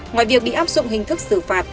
ngoài việc bị áp dụng hình thức xử phạt